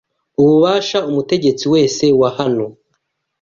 Ububasha umutegetsi wese wa hano